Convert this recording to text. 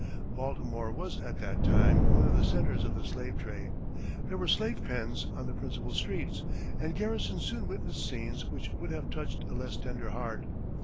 Baltimore was at that time one of the centres of the slave trade. There were slave pens on the principal streets, and Garrison soon witnessed scenes which would have touched a less tender heart.